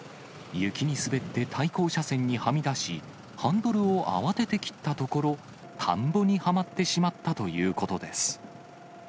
雪に滑って対向車線にはみ出し、ハンドルを慌てて切ったところ、田んぼにはまってしまったということです。